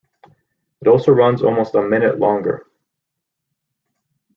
It also runs almost a minute longer.